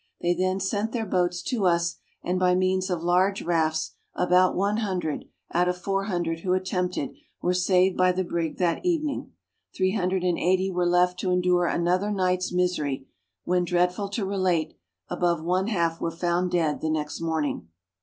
They then sent their boats to us, and by means of large rafts, about one hundred, out of four hundred who attempted, were saved by the brig that evening. Three hundred and eighty were left to endure another night's misery, when, dreadful to relate, above one half were found dead the next morning!